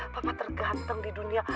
papa terganteng di dunia